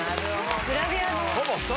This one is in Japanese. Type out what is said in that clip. グラビアの。